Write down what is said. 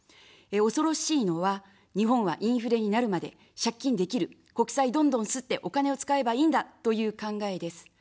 恐ろしいのは、日本はインフレになるまで借金できる、国債どんどん刷ってお金を使えばいいんだという考えです。